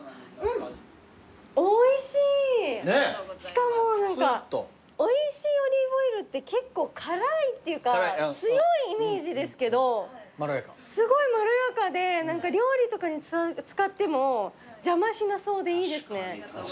しかも何かおいしいオリーブオイルって結構辛いっていうか強いイメージですけどすごいまろやかで料理とかに使っても邪魔しなそうでいいですね。